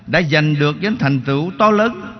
đã giành được những thành tựu to lớn